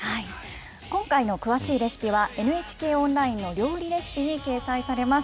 今回の詳しいレシピは、ＮＨＫオンラインの料理レシピに掲載されます。